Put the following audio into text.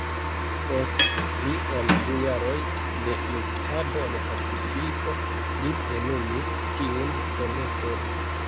Post pli ol du jaroj de luktado en Pacifiko, li plenumis tiun promeson.